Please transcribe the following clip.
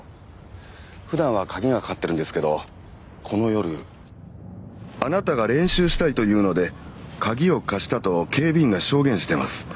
普段は鍵がかかってるんですけどこの夜。あなたが練習したいと言うので鍵を貸したと警備員が証言してます。